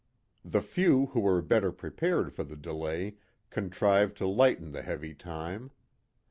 The few who were better prepared for the delay contrived to lighten the heavy time.